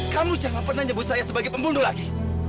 kamu jangan pernah nyebut saya sebagai pembunuh lagi